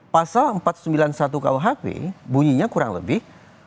pasal empat ratus sembilan puluh satu kuhp bunyinya kurang lebih